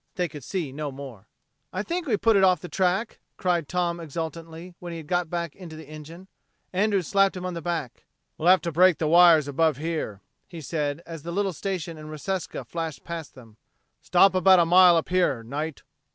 They could see no more. "I think we put it off the track," cried Tom exultantly when he was back in the engine. Andrews slapped him on the back. "We'll have to break the wires above here," he said as the little station in Reseca flashed past them. "Stop about a mile up here, Knight.